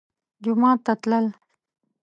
جومات ته تلل